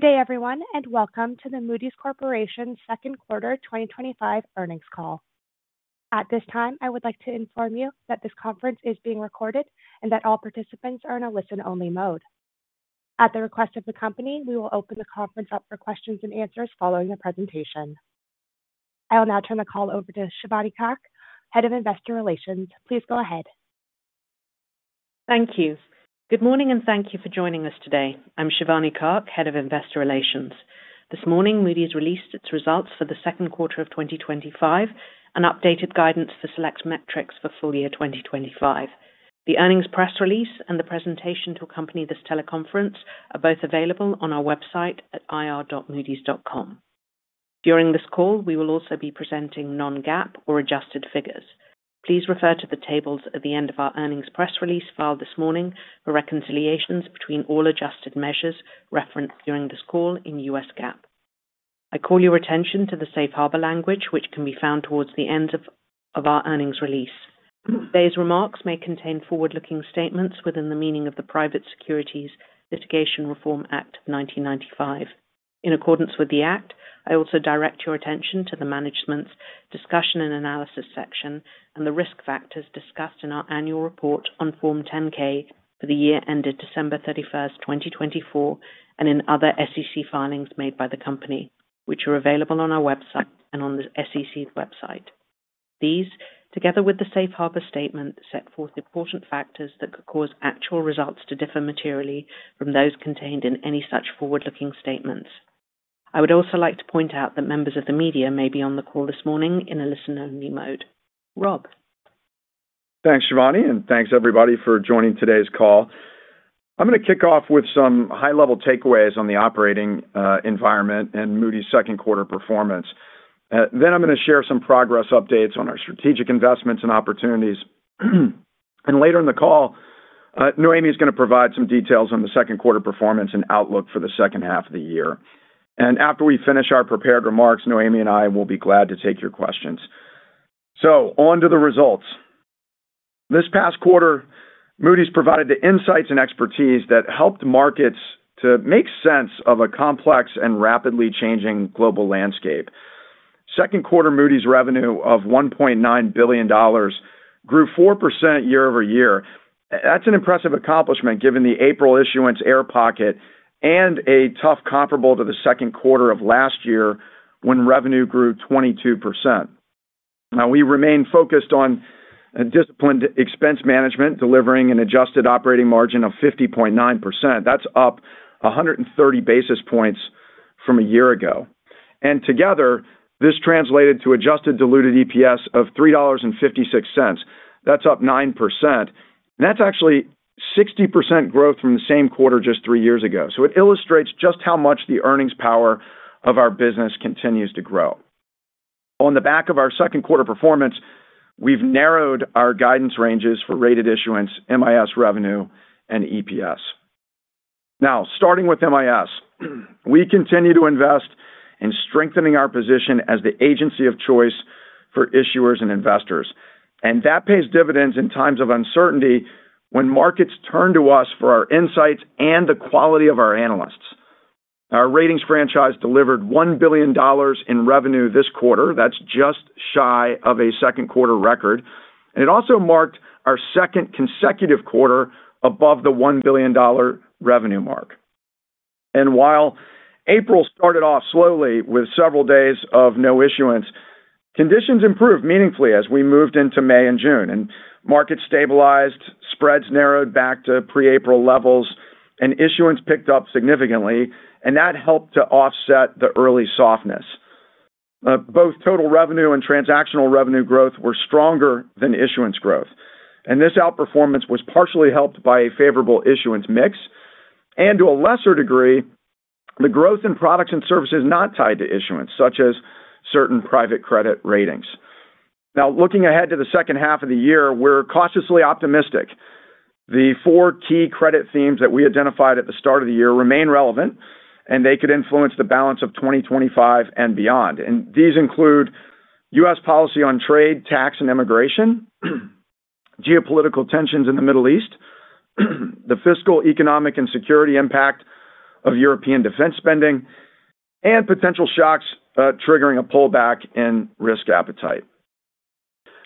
Good day, everyone, and welcome to the Moody's Corporation Second Quarter 2025 earnings call. At this time, I would like to inform you that this conference is being recorded and that all participants are in a listen-only mode. At the request of the company, we will open the conference up for questions and answers following the presentation. I will now turn the call over to Shivani Kak, Head of Investor Relations. Please go ahead. Thank you. Good morning, and thank you for joining us today. I'm Shivani Kak, Head of Investor Relations. This morning, Moody's released its results for the second quarter of 2025 and updated guidance for select metrics for full year 2025. The earnings press release and the presentation to accompany this teleconference are both available on our website at ir.moodys.com. During this call, we will also be presenting non-GAAP or adjusted figures. Please refer to the tables at the end of our earnings press release filed this morning for reconciliations between all adjusted measures referenced during this call in U.S. GAAP. I call your attention to the safe harbor language, which can be found towards the end of our earnings release. Today's remarks may contain forward-looking statements within the meaning of the Private Securities Litigation Reform Act of 1995. In accordance with the act, I also direct your attention to the management's discussion and analysis section and the risk factors discussed in our annual report on Form 10-K for the year ended December 31, 2024, and in other SEC filings made by the company, which are available on our website and on the SEC's website. These, together with the safe harbor statement, set forth important factors that could cause actual results to differ materially from those contained in any such forward-looking statements. I would also like to point out that members of the media may be on the call this morning in a listen-only mode. Rob. Thanks, Shivani, and thanks, everybody, for joining today's call. I'm going to kick off with some high-level takeaways on the operating environment and Moody's second quarter performance. Then I'm going to share some progress updates on our strategic investments and opportunities. Later in the call, Noémie is going to provide some details on the second quarter performance and outlook for the second half of the year. After we finish our prepared remarks, Noémie and I will be glad to take your questions. On to the results. This past quarter, Moody's provided the insights and expertise that helped markets to make sense of a complex and rapidly changing global landscape. Second quarter Moody's revenue of $1.9 billion grew 4% year-over-year. That's an impressive accomplishment given the April issuance air pocket and a tough comparable to the second quarter of last year when revenue grew 22%. We remain focused on disciplined expense management, delivering an adjusted operating margin of 50.9%. That's up 130 basis points from a year ago. Together, this translated to adjusted diluted EPS of $3.56. That's up 9%. That's actually 60% growth from the same quarter just three years ago. It illustrates just how much the earnings power of our business continues to grow. On the back of our second quarter performance, we've narrowed our guidance ranges for rated issuance, MIS revenue, and EPS. Starting with MIS, we continue to invest in strengthening our position as the agency of choice for issuers and investors. That pays dividends in times of uncertainty when markets turn to us for our insights and the quality of our analysts. Our ratings franchise delivered $1 billion in revenue this quarter. That's just shy of a second quarter record. It also marked our second consecutive quarter above the $1 billion revenue mark. While April started off slowly with several days of no issuance, conditions improved meaningfully as we moved into May and June. Markets stabilized, spreads narrowed back to pre-April levels, and issuance picked up significantly. That helped to offset the early softness. Both total revenue and transactional revenue growth were stronger than issuance growth. This outperformance was partially helped by a favorable issuance mix, and to a lesser degree, the growth in products and services not tied to issuance, such as certain private credit ratings. Looking ahead to the second half of the year, we're cautiously optimistic. The four key credit themes that we identified at the start of the year remain relevant, and they could influence the balance of 2025 and beyond. These include U.S. policy on trade, tax, and immigration, geopolitical tensions in the Middle East, the fiscal, economic, and security impact of European defense spending, and potential shocks triggering a pullback in risk appetite.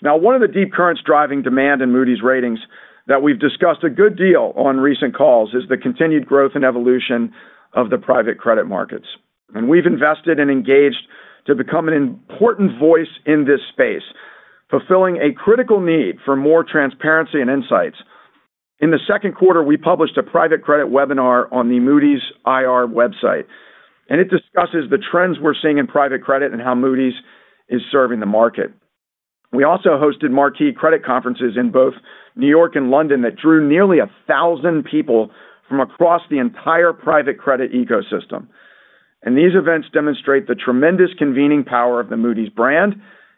Now, one of the deep currents driving demand in Moody's ratings that we've discussed a good deal on recent calls is the continued growth and evolution of the private credit markets. We have invested and engaged to become an important voice in this space, fulfilling a critical need for more transparency and insights. In the second quarter, we published a private credit webinar on the Moody's IR website, and it discusses the trends we are seeing in private credit and how Moody's is serving the market. We also hosted marquee credit conferences in both New York and London that drew nearly 1,000 people from across the entire private credit ecosystem. These events demonstrate the tremendous convening power of the Moody's brand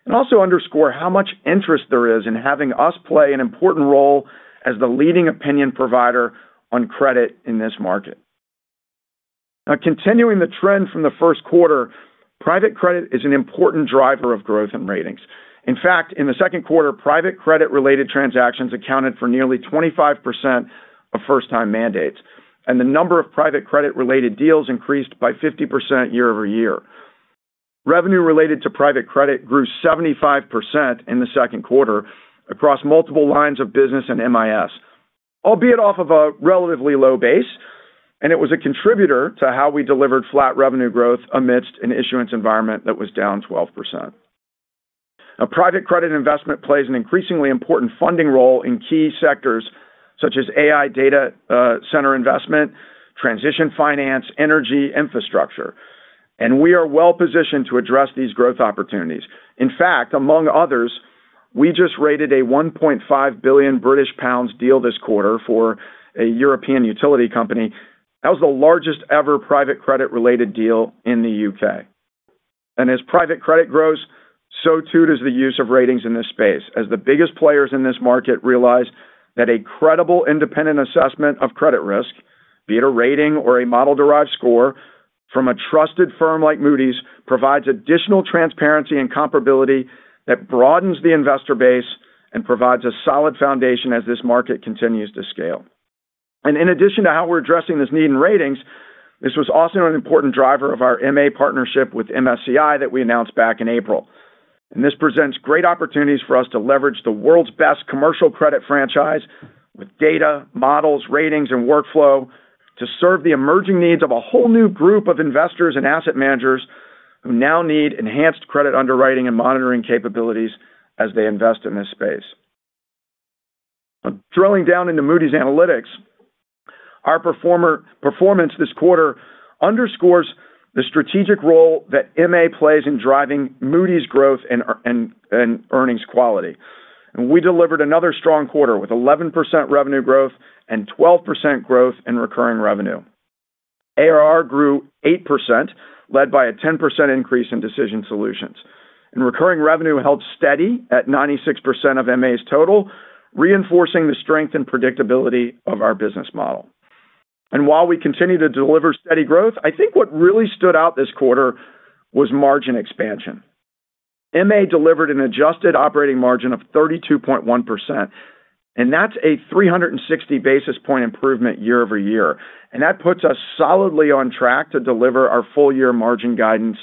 and also underscore how much interest there is in having us play an important role as the leading opinion provider on credit in this market. Continuing the trend from the first quarter, private credit is an important driver of growth in ratings. In fact, in the second quarter, private credit-related transactions accounted for nearly 25% of first-time mandates, and the number of private credit-related deals increased by 50% year-over-year. Revenue related to private credit grew 75% in the second quarter across multiple lines of business and MIS, albeit off of a relatively low base, and it was a contributor to how we delivered flat revenue growth amidst an issuance environment that was down 12%. Private credit investment plays an increasingly important funding role in key sectors such as AI data center investment, transition finance, energy, and infrastructure. We are well positioned to address these growth opportunities. In fact, among others, we just rated a 1.5 billion British pounds deal this quarter for a European utility company. That was the largest ever private credit-related deal in the U.K. As private credit grows, so too does the use of ratings in this space, as the biggest players in this market realize that a credible, independent assessment of credit risk, be it a rating or a model-derived score from a trusted firm like Moody's, provides additional transparency and comparability that broadens the investor base and provides a solid foundation as this market continues to scale. In addition to how we are addressing this need in ratings, this was also an important driver of our MA partnership with MSCI that we announced back in April. This presents great opportunities for us to leverage the world's best commercial credit franchise with data, models, ratings, and workflow to serve the emerging needs of a whole new group of investors and asset managers who now need enhanced credit underwriting and monitoring capabilities as they invest in this space. Drilling down into Moody's Analytics, our performance this quarter underscores the strategic role that MA plays in driving Moody's growth and earnings quality. We delivered another strong quarter with 11% revenue growth and 12% growth in recurring revenue. ARR grew 8%, led by a 10% increase in decision solutions. Recurring revenue held steady at 96% of MA's total, reinforcing the strength and predictability of our business model. While we continue to deliver steady growth, I think what really stood out this quarter was margin expansion. MA delivered an adjusted operating margin of 32.1%. That is a 360 basis point improvement year-over-year. That puts us solidly on track to deliver our full-year margin guidance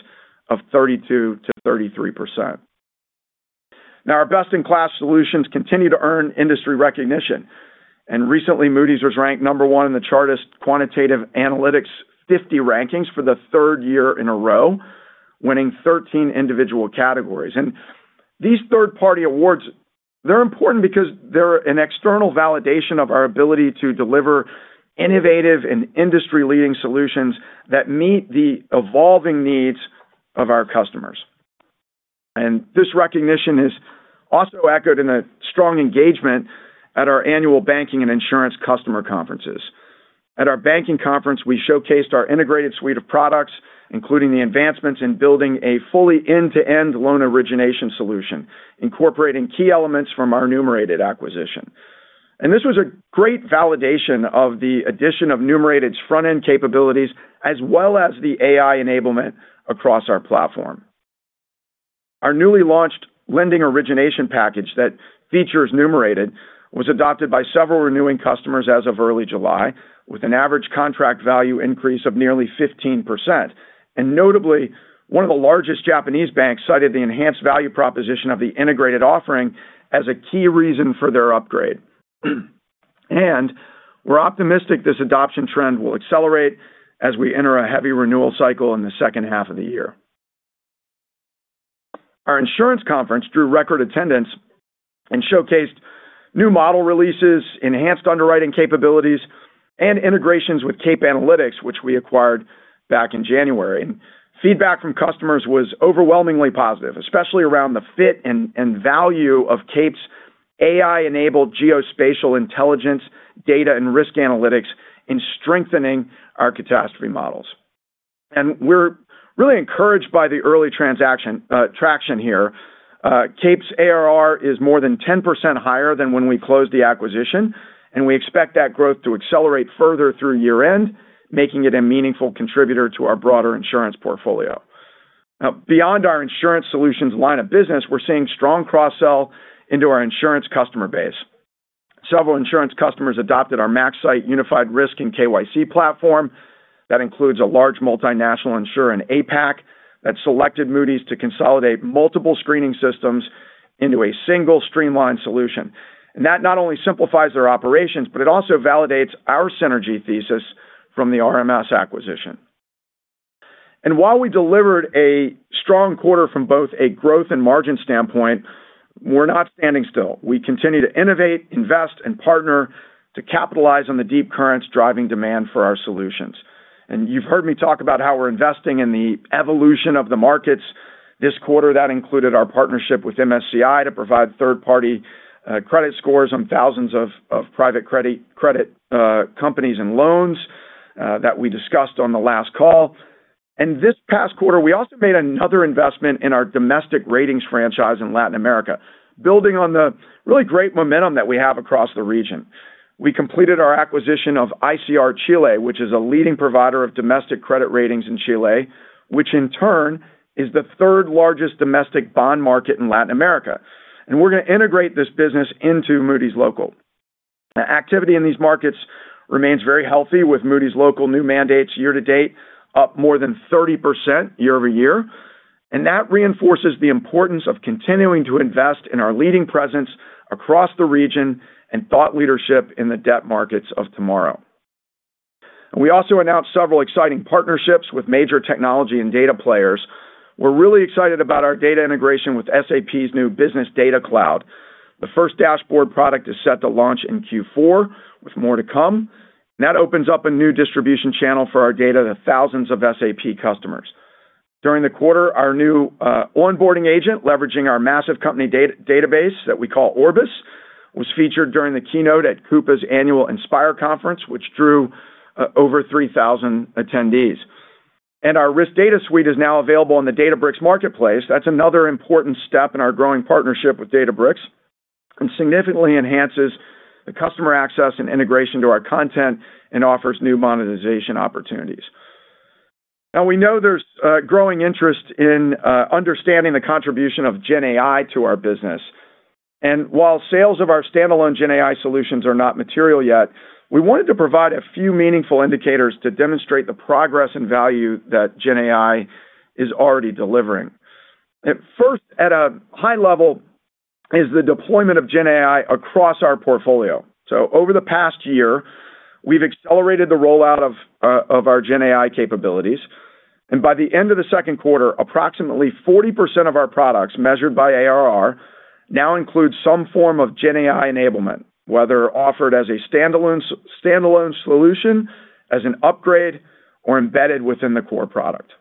of 32%-33%. Our best-in-class solutions continue to earn industry recognition. Recently, Moody's was ranked number one in the Chartis Quantitative Analytics 50 rankings for the third year in a row, winning 13 individual categories. These third-party awards are important because they are an external validation of our ability to deliver innovative and industry-leading solutions that meet the evolving needs of our customers. This recognition is also echoed in strong engagement at our annual banking and insurance customer conferences. At our banking conference, we showcased our integrated suite of products, including the advancements in building a fully end-to-end loan origination solution, incorporating key elements from our Numerated acquisition. This was a great validation of the addition of Numerated's front-end capabilities, as well as the AI enablement across our platform. Our newly launched lending origination package that features Numerated was adopted by several renewing customers as of early July, with an average contract value increase of nearly 15%. Notably, one of the largest Japanese banks cited the enhanced value proposition of the integrated offering as a key reason for their upgrade. We are optimistic this adoption trend will accelerate as we enter a heavy renewal cycle in the second half of the year. Our insurance conference drew record attendance and showcased new model releases, enhanced underwriting capabilities, and integrations with CAPE Analytics, which we acquired back in January. Feedback from customers was overwhelmingly positive, especially around the fit and value of CAPE's AI-enabled geospatial intelligence, data, and risk analytics in strengthening our catastrophe models. We are really encouraged by the early traction here. CAPE's ARR is more than 10% higher than when we closed the acquisition, and we expect that growth to accelerate further through year-end, making it a meaningful contributor to our broader insurance portfolio. Beyond our Insurance Solutions line of business, we are seeing strong cross-sell into our insurance customer base. Several insurance customers adopted our Maxsight Unified Risk and KYC platform. That includes a large multinational insurer in APAC that selected Moody's to consolidate multiple screening systems into a single streamlined solution. That not only simplifies their operations, but it also validates our synergy thesis from the RMS acquisition. While we delivered a strong quarter from both a growth and margin standpoint, we are not standing still. We continue to innovate, invest, and partner to capitalize on the deep currents driving demand for our solutions. You have heard me talk about how we are investing in the evolution of the markets this quarter. That included our partnership with MSCI to provide third-party credit scores on thousands of private credit companies and loans that we discussed on the last call. This past quarter, we also made another investment in our domestic ratings franchise in Latin America, building on the really great momentum that we have across the region. We completed our acquisition of ICR Chile, which is a leading provider of domestic credit ratings in Chile, which in turn is the third largest domestic bond market in Latin America. We are going to integrate this business into Moody's Local. Activity in these markets remains very healthy with Moody's Local new mandates year to date, up more than 30% year-over-year. That reinforces the importance of continuing to invest in our leading presence across the region and thought leadership in the debt markets of tomorrow. We also announced several exciting partnerships with major technology and data players. We are really excited about our data integration with SAP's new Business Data Cloud. The first dashboard product is set to launch in Q4, with more to come. That opens up a new distribution channel for our data to thousands of SAP customers. During the quarter, our new onboarding agent, leveraging our massive company database that we call Orbis, was featured during the keynote at Coupa's annual Inspire Conference, which drew over 3,000 attendees. Our risk data suite is now available on the Databricks Marketplace. That is another important step in our growing partnership with Databricks and significantly enhances the customer access and integration to our content and offers new monetization opportunities. Now, we know there is growing interest in understanding the contribution of GenAI to our business. While sales of our standalone GenAI solutions are not material yet, we wanted to provide a few meaningful indicators to demonstrate the progress and value that GenAI is already delivering. First, at a high level, is the deployment of GenAI across our portfolio. Over the past year, we have accelerated the rollout of our GenAI capabilities. By the end of the second quarter, approximately 40% of our products measured by ARR now include some form of GenAI enablement, whether offered as a standalone solution, as an upgrade, or embedded within the core product.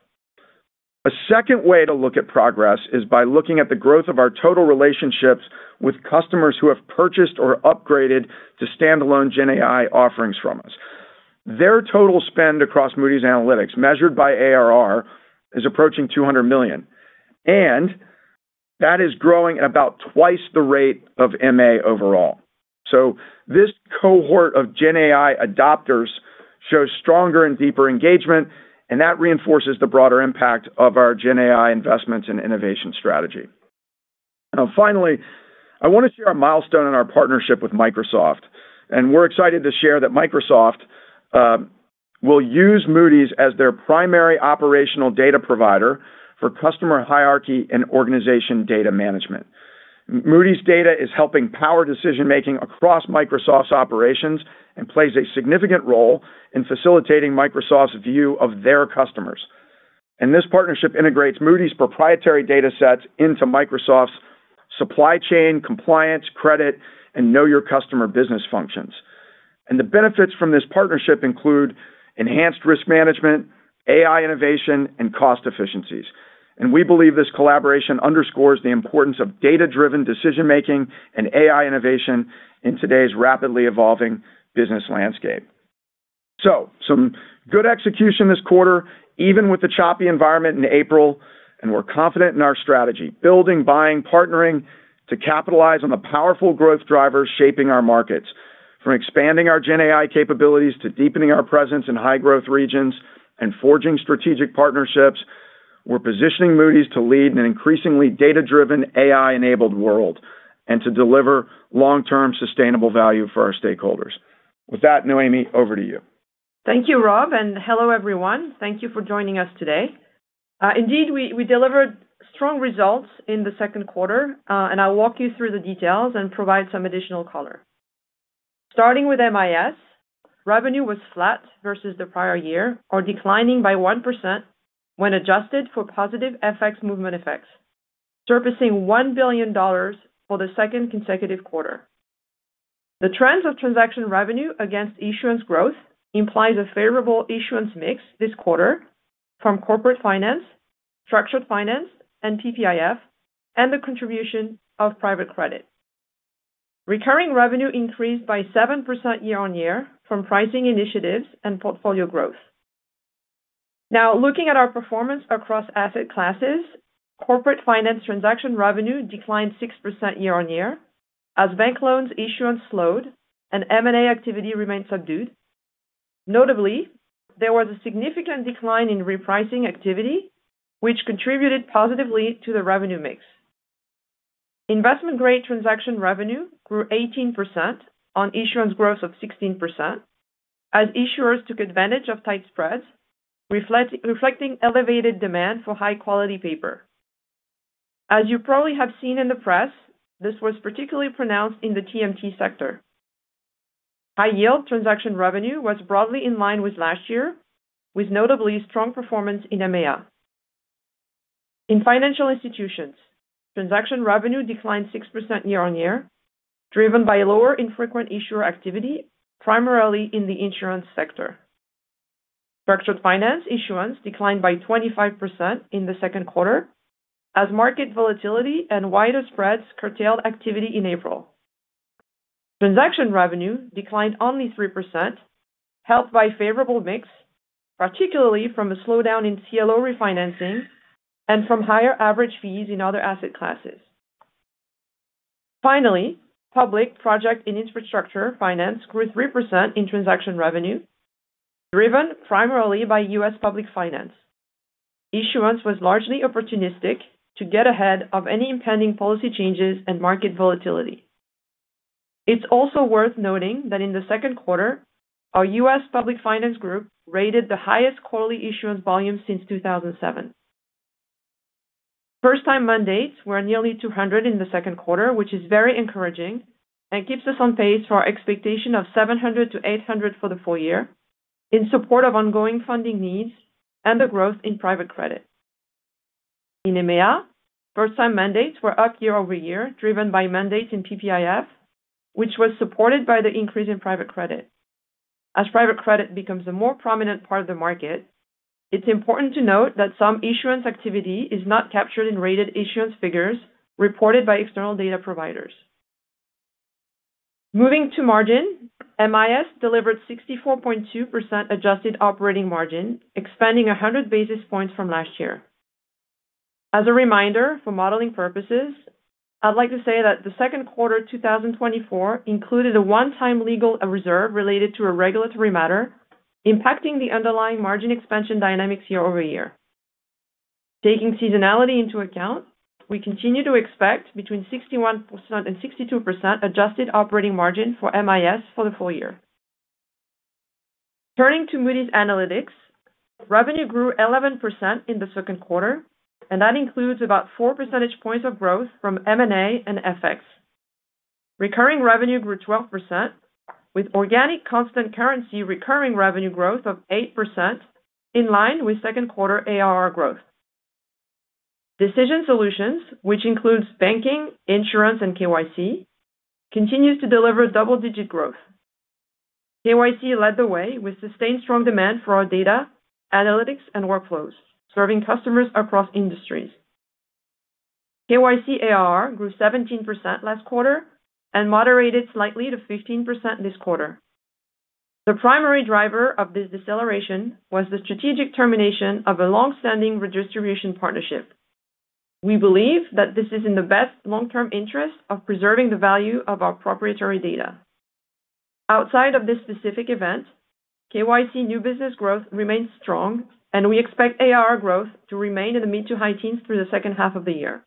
A second way to look at progress is by looking at the growth of our total relationships with customers who have purchased or upgraded to standalone GenAI offerings from us. Their total spend across Moody's Analytics, measured by ARR, is approaching $200 million. That is growing at about twice the rate of MA overall. This cohort of GenAI adopters shows stronger and deeper engagement, and that reinforces the broader impact of our GenAI investment and innovation strategy. Finally, I want to share a milestone in our partnership with Microsoft. We are excited to share that Microsoft will use Moody's as their primary operational data provider for customer hierarchy and organization data management. Moody's data is helping power decision-making across Microsoft's operations and plays a significant role in facilitating Microsoft's view of their customers. This partnership integrates Moody's proprietary data sets into Microsoft's supply chain, compliance, credit, and know-your-customer business functions. The benefits from this partnership include enhanced risk management, AI innovation, and cost efficiencies. We believe this collaboration underscores the importance of data-driven decision-making and AI innovation in today's rapidly evolving business landscape. Some good execution this quarter, even with the choppy environment in April, and we're confident in our strategy: building, buying, partnering to capitalize on the powerful growth drivers shaping our markets. From expanding our GenAI capabilities to deepening our presence in high-growth regions and forging strategic partnerships, we're positioning Moody's to lead in an increasingly data-driven, AI-enabled world and to deliver long-term sustainable value for our stakeholders. With that, Noémie, over to you. Thank you, Rob, and hello, everyone. Thank you for joining us today. Indeed, we delivered strong results in the second quarter, and I'll walk you through the details and provide some additional color. Starting with MIS, revenue was flat versus the prior year, or declining by 1% when adjusted for positive FX movement effects, surfacing $1 billion for the second consecutive quarter. The trends of transaction revenue against issuance growth imply a favorable issuance mix this quarter from corporate finance, structured finance, and PPIF, and the contribution of private credit. Recurring revenue increased by 7% year-on-year from pricing initiatives and portfolio growth. Now, looking at our performance across asset classes, corporate finance transaction revenue declined 6% year-on-year as bank loans issuance slowed and M&A activity remained subdued. Notably, there was a significant decline in repricing activity, which contributed positively to the revenue mix. Investment-grade transaction revenue grew 18% on issuance growth of 16%. As issuers took advantage of tight spreads, reflecting elevated demand for high-quality paper. As you probably have seen in the press, this was particularly pronounced in the TMT sector. High-yield transaction revenue was broadly in line with last year, with notably strong performance in EMEA. In financial institutions, transaction revenue declined 6% year-on-year, driven by lower infrequent issuer activity, primarily in the insurance sector. Structured finance issuance declined by 25% in the second quarter as market volatility and wider spreads curtailed activity in April. Transaction revenue declined only 3%, helped by a favorable mix, particularly from a slowdown in CLO refinancing and from higher average fees in other asset classes. Finally, public project and infrastructure finance grew 3% in transaction revenue, driven primarily by U.S. public finance. Issuance was largely opportunistic to get ahead of any impending policy changes and market volatility. It's also worth noting that in the second quarter, our U.S. public finance group rated the highest quarterly issuance volume since 2007. First-time mandates were nearly 200 in the second quarter, which is very encouraging and keeps us on pace for our expectation of 700-800 for the full year in support of ongoing funding needs and the growth in private credit. In EMEA, first-time mandates were up year-over-year, driven by mandates in PPIF, which was supported by the increase in private credit. As private credit becomes a more prominent part of the market. It's important to note that some issuance activity is not captured in rated issuance figures reported by external data providers. Moving to margin, MIS delivered 64.2% adjusted operating margin, expanding 100 basis points from last year. As a reminder for modeling purposes, I'd like to say that the second quarter of 2024 included a one-time legal reserve related to a regulatory matter impacting the underlying margin expansion dynamics year-over-year. Taking seasonality into account, we continue to expect between 61%-62% adjusted operating margin for MIS for the full year. Turning to Moody's Analytics, revenue grew 11% in the second quarter, and that includes about 4 percentage points of growth from M&A and FX. Recurring revenue grew 12%, with organic constant currency recurring revenue growth of 8% in line with second-quarter ARR growth. Decision Solutions, which includes banking, insurance, and KYC, continues to deliver double-digit growth. KYC led the way with sustained strong demand for our data, analytics, and workflows, serving customers across industries. KYC ARR grew 17% last quarter and moderated slightly to 15% this quarter. The primary driver of this deceleration was the strategic termination of a longstanding redistribution partnership. We believe that this is in the best long-term interest of preserving the value of our proprietary data. Outside of this specific event, KYC new business growth remains strong, and we expect ARR growth to remain in the mid to high teens through the second half of the year.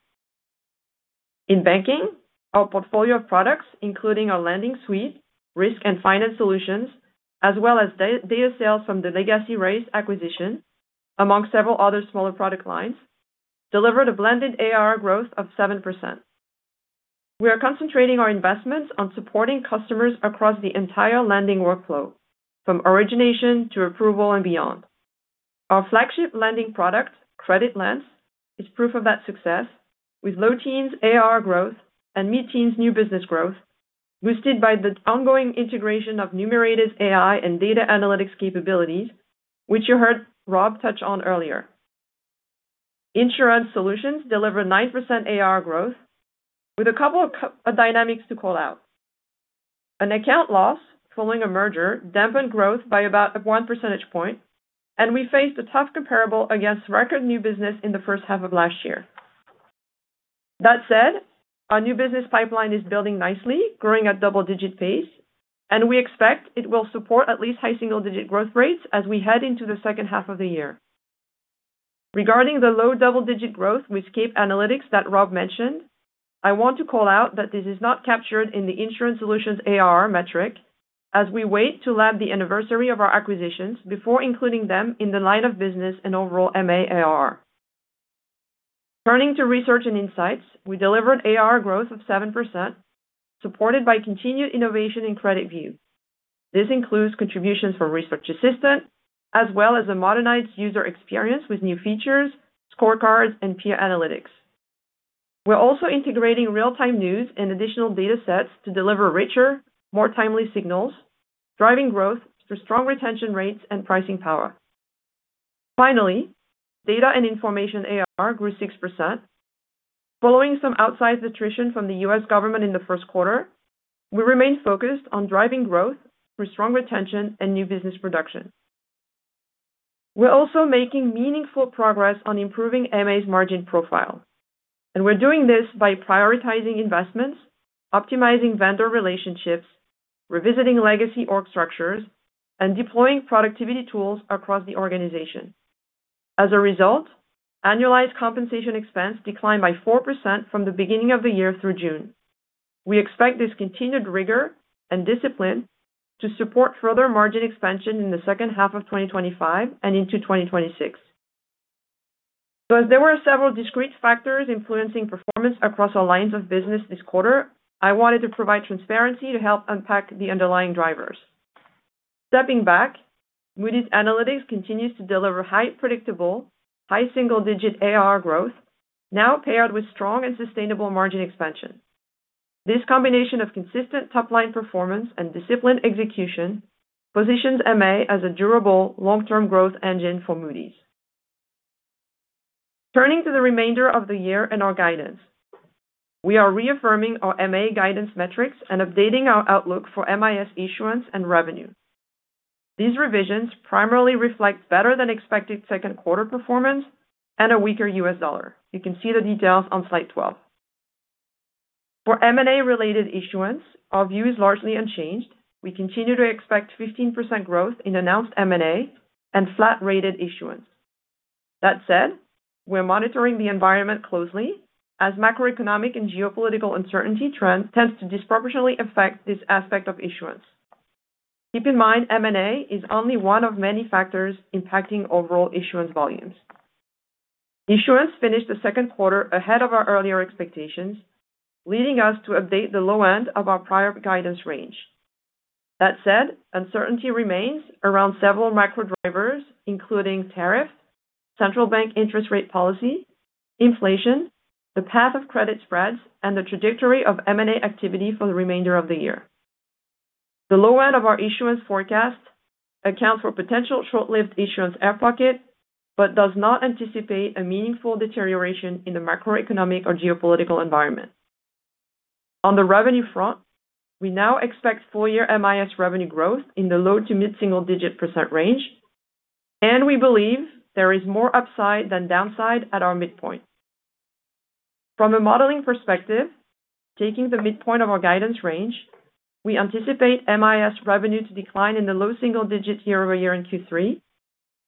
In banking, our portfolio of products, including our lending suite, risk and finance solutions, as well as data sales from the Legacy raise acquisition, among several other smaller product lines, delivered a blended ARR growth of 7%. We are concentrating our investments on supporting customers across the entire lending workflow, from origination to approval and beyond. Our flagship lending product, CreditLens, is proof of that success, with low teens ARR growth and mid teens new business growth, boosted by the ongoing integration of Numerated AI and data analytics capabilities, which you heard Rob touch on earlier. Insurance Solutions delivered 9% ARR growth, with a couple of dynamics to call out. An account loss following a merger dampened growth by about 1 percentage point, and we faced a tough comparable against record new business in the first half of last year. That said, our new business pipeline is building nicely, growing at double-digit pace, and we expect it will support at least high single-digit growth rates as we head into the second half of the year. Regarding the low double-digit growth with CAPE Analytics that Rob mentioned, I want to call out that this is not captured in the Insurance Solutions ARR metric as we wait to land the anniversary of our acquisitions before including them in the line of business and overall MA ARR. Turning to Research and Insights, we delivered ARR growth of 7%, supported by continued innovation in CreditView. This includes contributions for Research Assistant, as well as a modernized user experience with new features, scorecards, and peer analytics. We're also integrating real-time news and additional data sets to deliver richer, more timely signals, driving growth through strong retention rates and pricing power. Finally, Data and Information ARR grew 6%. Following some outside attrition from the U.S. government in the first quarter, we remained focused on driving growth through strong retention and new business production. We're also making meaningful progress on improving MA's margin profile. We are doing this by prioritizing investments, optimizing vendor relationships, revisiting legacy org structures, and deploying productivity tools across the organization. As a result, annualized compensation expense declined by 4% from the beginning of the year through June. We expect this continued rigor and discipline to support further margin expansion in the second half of 2025 and into 2026. As there were several discrete factors influencing performance across our lines of business this quarter, I wanted to provide transparency to help unpack the underlying drivers. Stepping back, Moody's Analytics continues to deliver high-predictable, high single-digit ARR growth, now paired with strong and sustainable margin expansion. This combination of consistent top-line performance and disciplined execution positions MA as a durable long-term growth engine for Moody's. Turning to the remainder of the year and our guidance, we are reaffirming our MA guidance metrics and updating our outlook for MIS issuance and revenue. These revisions primarily reflect better-than-expected second-quarter performance and a weaker US dollar. You can see the details on slide 12. For M&A-related issuance, our view is largely unchanged. We continue to expect 15% growth in announced M&A and flat-rated issuance. That said, we are monitoring the environment closely as macroeconomic and geopolitical uncertainty trends tend to disproportionately affect this aspect of issuance. Keep in mind, M&A is only one of many factors impacting overall issuance volumes. Issuance finished the second quarter ahead of our earlier expectations, leading us to update the low end of our prior guidance range. That said, uncertainty remains around several macro drivers, including tariff, central bank interest rate policy, inflation, the path of credit spreads, and the trajectory of M&A activity for the remainder of the year. The low end of our issuance forecast accounts for potential short-lived issuance air pocket, but does not anticipate a meaningful deterioration in the macroeconomic or geopolitical environment. On the revenue front, we now expect full-year MIS revenue growth in the low to mid single-digit % range, and we believe there is more upside than downside at our midpoint. From a modeling perspective, taking the midpoint of our guidance range, we anticipate MIS revenue to decline in the low single-digit year-over-year in Q3,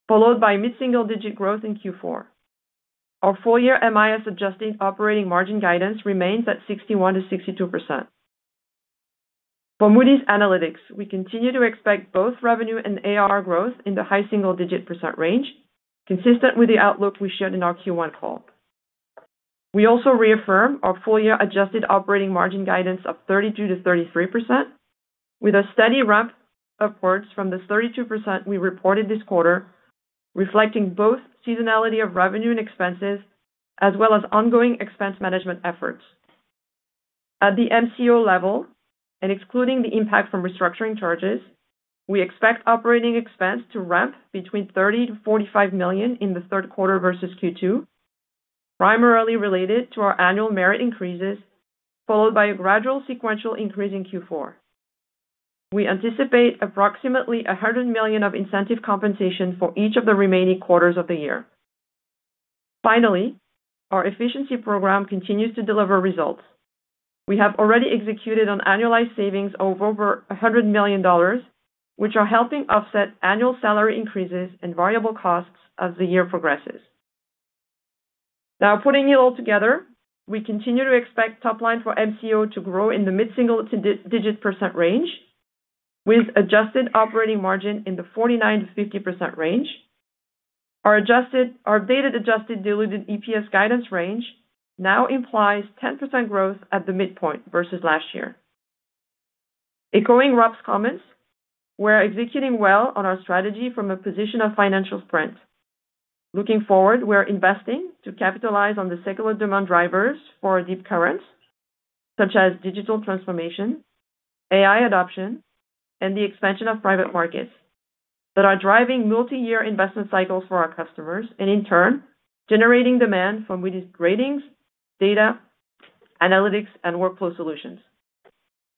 followed by mid single-digit growth in Q4. Our full-year MIS adjusted operating margin guidance remains at 61%-62%. For Moody's Analytics, we continue to expect both revenue and ARR growth in the high single-digit percent range, consistent with the outlook we shared in our Q1 call. We also reaffirm our full-year adjusted operating margin guidance of 32%-33%, with a steady ramp upwards from the 32% we reported this quarter, reflecting both seasonality of revenue and expenses, as well as ongoing expense management efforts. At the MCO level, and excluding the impact from restructuring charges, we expect operating expense to ramp between $30 million-$45 million in the third quarter versus Q2, primarily related to our annual merit increases, followed by a gradual sequential increase in Q4. We anticipate approximately $100 million of incentive compensation for each of the remaining quarters of the year. Finally, our efficiency program continues to deliver results. We have already executed on annualized savings of over $100 million, which are helping offset annual salary increases and variable costs as the year progresses. Now, putting it all together, we continue to expect top line for MCO to grow in the mid single digit percent range, with adjusted operating margin in the 49%-50% range. Our updated adjusted diluted EPS guidance range now implies 10% growth at the midpoint versus last year. Echoing Rob's comments, we're executing well on our strategy from a position of financial strength. Looking forward, we're investing to capitalize on the cycle of demand drivers for our deep currents, such as digital transformation, AI adoption, and the expansion of private markets that are driving multi-year investment cycles for our customers, and in turn, generating demand from Moody's ratings, data, analytics, and workflow solutions.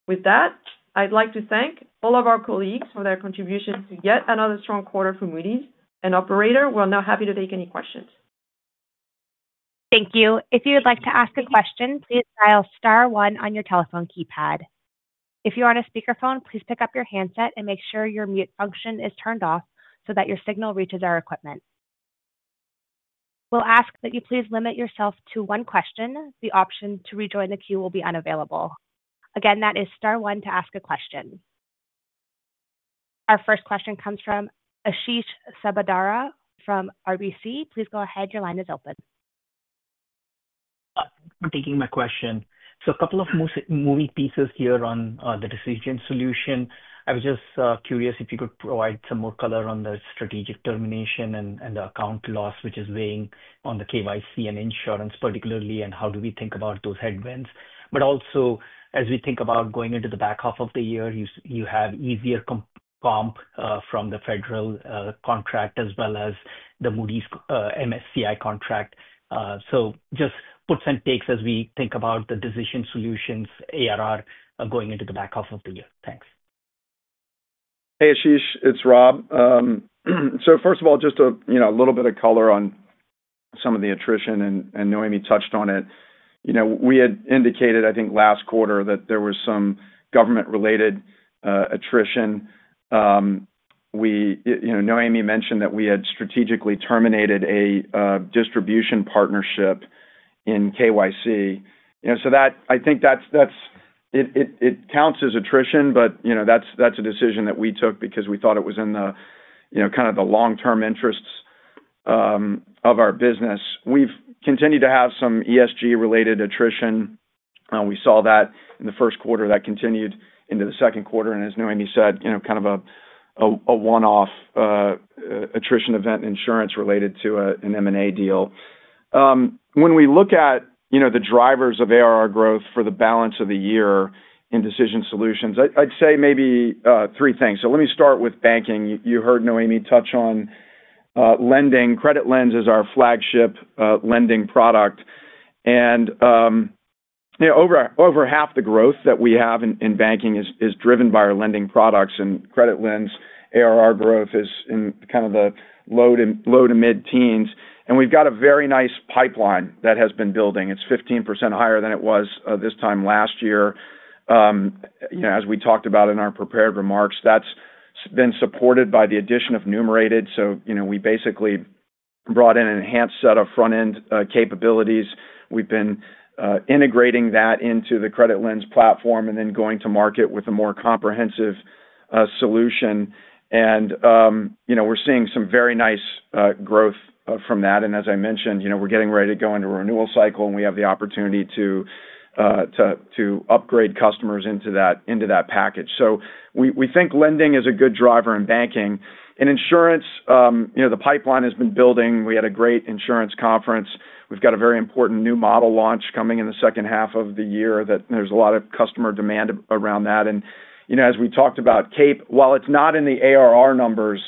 With that, I'd like to thank all of our colleagues for their contribution to yet another strong quarter for Moody's, and Operator, we're now happy to take any questions. Thank you. If you would like to ask a question, please dial star one on your telephone keypad. If you are on a speakerphone, please pick up your handset and make sure your mute function is turned off so that your signal reaches our equipment. We'll ask that you please limit yourself to one question. The option to rejoin the queue will be unavailable. Again, that is star one to ask a question. Our first question comes from Ashish Sabadra from RBC. Please go ahead. Your line is open. Taking my question. So a couple of moving pieces here on the decision solution. I was just curious if you could provide some more color on the strategic termination and the account loss, which is weighing on the KYC and insurance particularly, and how do we think about those headwinds. But also, as we think about going into the back half of the year, you have easier comp from the federal contract as well as the Moody's MSCI contract. So just puts and takes as we think about the decision solutions ARR going into the back half of the year. Thanks. Hey, Ashish. It's Rob. So first of all, just a little bit of color on some of the attrition, and Noémie touched on it. We had indicated, I think, last quarter that there was some government-related attrition. Noémie mentioned that we had strategically terminated a distribution partnership in KYC. So I think it counts as attrition, but that's a decision that we took because we thought it was in kind of the long-term interests of our business. We've continued to have some ESG-related attrition. We saw that in the first quarter, that continued into the second quarter, and as Noémie said, kind of a one-off attrition event in insurance related to an M&A deal. When we look at the drivers of ARR growth for the balance of the year in Decision Solutions, I'd say maybe three things. Let me start with banking. You heard Noémie touch on lending. CreditLens is our flagship lending product. Over half the growth that we have in banking is driven by our lending products, and CreditLens ARR growth is in kind of the low to mid teens. We have a very nice pipeline that has been building. It is 15% higher than it was this time last year. As we talked about in our prepared remarks, that has been supported by the addition of Numerated. We basically brought in an enhanced set of front-end capabilities. We have been integrating that into the CreditLens platform and then going to market with a more comprehensive solution. We are seeing some very nice growth from that. As I mentioned, we are getting ready to go into a renewal cycle, and we have the opportunity to upgrade customers into that package. We think lending is a good driver in banking. In insurance, the pipeline has been building. We had a great insurance conference. We have a very important new model launch coming in the second half of the year, and there is a lot of customer demand around that. As we talked about CAPE, while it is not in the ARR numbers,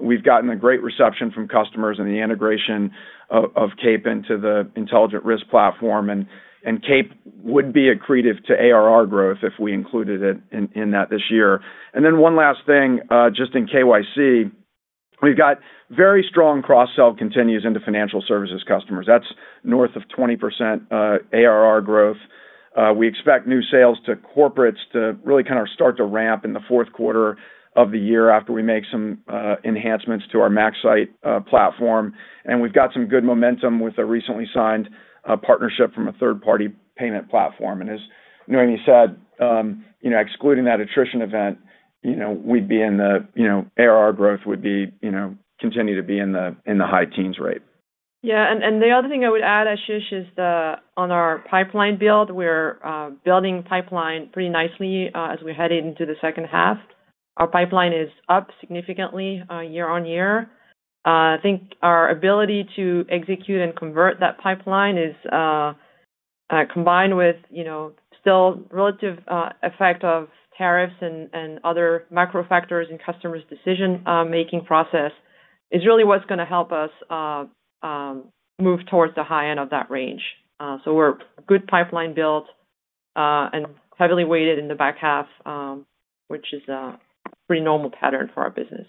we have gotten a great reception from customers and the integration of CAPE into the intelligent risk platform. CAPE would be accretive to ARR growth if we included it in that this year. One last thing, just in KYC, we have very strong cross-sell that continues into financial services customers. That is north of 20% ARR growth. We expect new sales to corporates to really kind of start to ramp in the fourth quarter of the year after we make some enhancements to our Maxsight platform. We have some good momentum with a recently signed partnership from a third-party payment platform. As Noémie said, excluding that attrition event, the ARR growth would continue to be in the high teens rate. Yeah. The other thing I would add, Ashish, is on our pipeline build. We are building pipeline pretty nicely as we are heading into the second half. Our pipeline is up significantly year-on-year. I think our ability to execute and convert that pipeline, combined with still relative effect of tariffs and other macro factors in customers' decision-making process, is really what is going to help us move towards the high end of that range. We have a good pipeline built and heavily weighted in the back half, which is a pretty normal pattern for our business.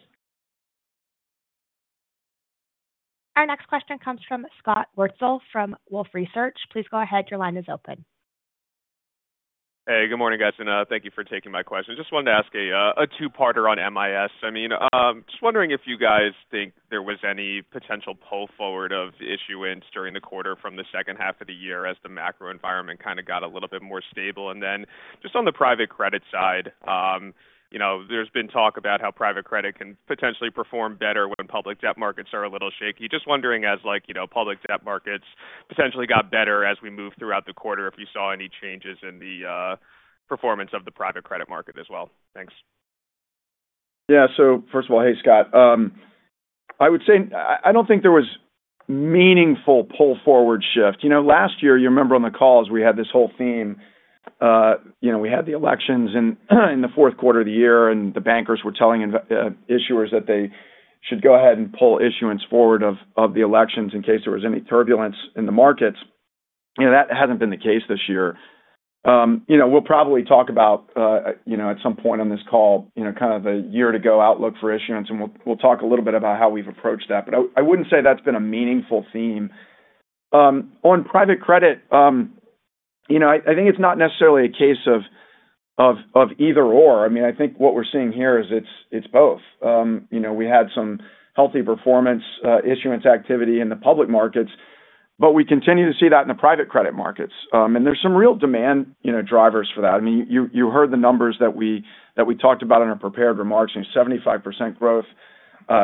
Our next question comes from Scott Wurtzel from Wolfe Research. Please go ahead. Your line is open. Hey, good morning, guys. Thank you for taking my question. Just wanted to ask a two-parter on MIS. I mean, just wondering if you guys think there was any potential pull forward of issuance during the quarter from the second half of the year as the macro environment kind of got a little bit more stable. And then just on the private credit side. There's been talk about how private credit can potentially perform better when public debt markets are a little shaky. Just wondering as public debt markets potentially got better as we moved throughout the quarter if you saw any changes in the performance of the private credit market as well. Thanks. Yeah. So first of all, hey, Scott. I would say I don't think there was meaningful pull forward shift. Last year, you remember on the calls we had this whole theme. We had the elections in the fourth quarter of the year, and the bankers were telling issuers that they should go ahead and pull issuance forward of the elections in case there was any turbulence in the markets. That hasn't been the case this year. We'll probably talk about at some point on this call, kind of a year-to-go outlook for issuance, and we'll talk a little bit about how we've approached that. But I wouldn't say that's been a meaningful theme. On private credit. I think it's not necessarily a case of either/or. I mean, I think what we're seeing here is it's both. We had some healthy performance issuance activity in the public markets, but we continue to see that in the private credit markets. And there's some real demand drivers for that. I mean, you heard the numbers that we talked about in our prepared remarks, 75% growth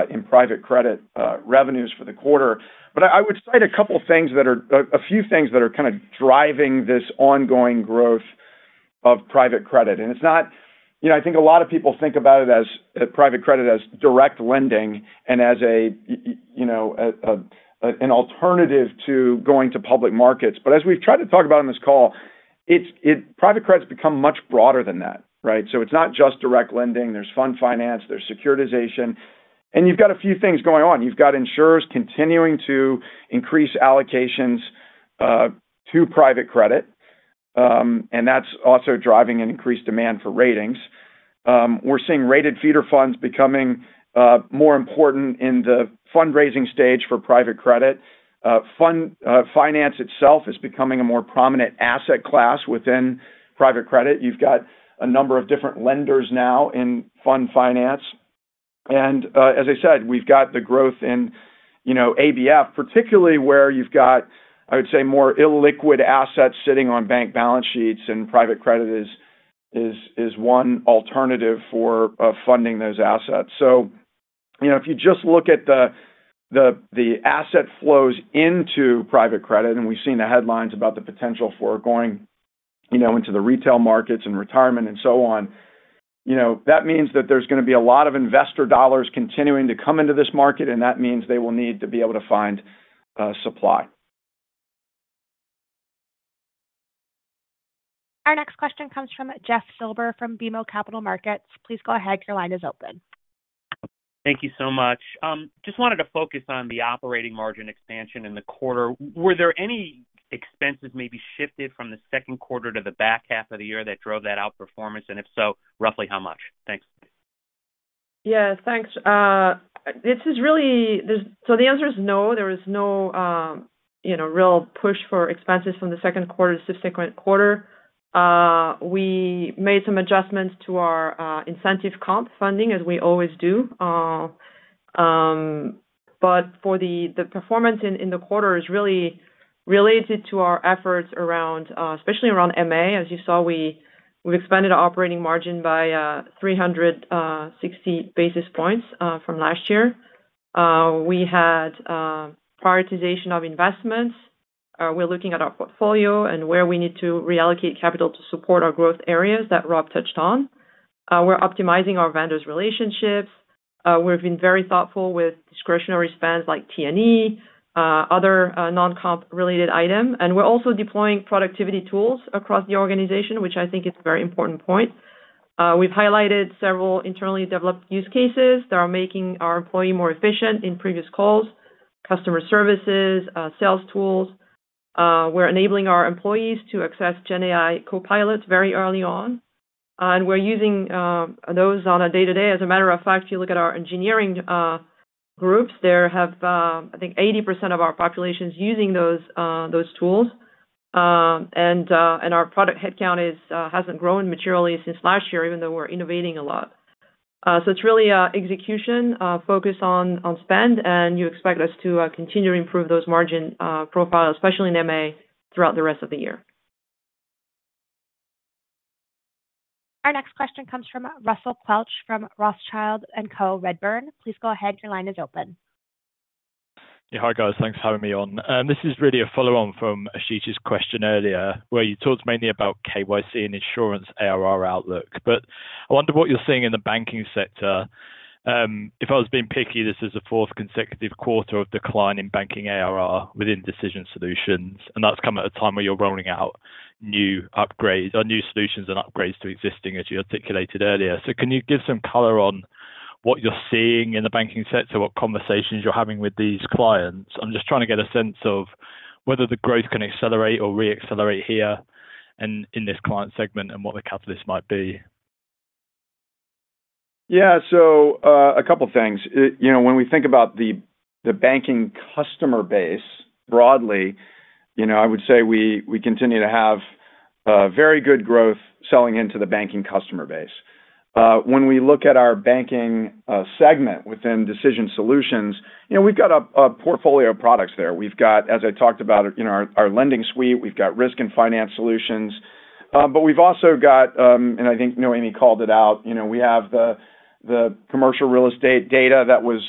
in private credit revenues for the quarter. But I would cite a couple of things that are a few things that are kind of driving this ongoing growth of private credit. And it's not I think a lot of people think about it as private credit as direct lending and as an alternative to going to public markets. But as we've tried to talk about on this call. Private credit's become much broader than that, right? So it's not just direct lending. There's fund finance. There's securitization. And you've got a few things going on. You've got insurers continuing to increase allocations to private credit. And that's also driving an increased demand for ratings. We're seeing rated feeder funds becoming more important in the fundraising stage for private credit. Fund finance itself is becoming a more prominent asset class within private credit. You've got a number of different lenders now in fund finance. And as I said, we've got the growth in ABF, particularly where you've got, I would say, more illiquid assets sitting on bank balance sheets, and private credit is one alternative for funding those assets. If you just look at the asset flows into private credit, and we've seen the headlines about the potential for going into the retail markets and retirement and so on. That means that there's going to be a lot of investor dollars continuing to come into this market, and that means they will need to be able to find supply. Our next question comes from Jeff Silber from BMO Capital Markets. Please go ahead. Your line is open. Thank you so much. Just wanted to focus on the operating margin expansion in the quarter. Were there any expenses maybe shifted from the second quarter to the back half of the year that drove that outperformance? If so, roughly how much? Thanks. Yeah. Thanks. This is really, so the answer is no. There is no real push for expenses from the second quarter to the sixth quarter. We made some adjustments to our incentive comp funding, as we always do. For the performance in the quarter, it is really related to our efforts around, especially around MA. As you saw, we've expanded our operating margin by 360 basis points from last year. We had prioritization of investments. We're looking at our portfolio and where we need to reallocate capital to support our growth areas that Rob touched on. We're optimizing our vendors' relationships. We've been very thoughtful with discretionary spends like T&E, other non-comp related items. We're also deploying productivity tools across the organization, which I think is a very important point. We've highlighted several internally developed use cases that are making our employee more efficient in previous calls, customer services, sales tools. We're enabling our employees to access GenAI Copilot very early on. We're using those on a day-to-day. As a matter of fact, if you look at our engineering groups, I think 80% of our population is using those tools. Our product headcount hasn't grown materially since last year, even though we're innovating a lot. It's really execution, focus on spend, and you expect us to continue to improve those margin profiles, especially in MA, throughout the rest of the year. Our next question comes from Russell Quelch from Rothschild & Co Redburn. Please go ahead. Your line is open. Yeah. Hi, guys. Thanks for having me on. This is really a follow-on from Ashish's question earlier, where you talked mainly about KYC and insurance ARR outlook. I wonder what you're seeing in the banking sector. If I was being picky, this is the fourth consecutive quarter of decline in banking ARR within Decision Solutions. That's come at a time where you're rolling out new upgrades or new solutions and upgrades to existing, as you articulated earlier. Can you give some color on what you're seeing in the banking sector, what conversations you're having with these clients? I'm just trying to get a sense of whether the growth can accelerate or re-accelerate here in this client segment and what the catalyst might be. Yeah. A couple of things. When we think about the banking customer base broadly, I would say we continue to have. Very good growth selling into the banking customer base. When we look at our banking segment within decision solutions, we've got a portfolio of products there. We've got, as I talked about, our lending suite. We've got risk and finance solutions. But we've also got, and I think Noémie called it out, we have the commercial real estate data that was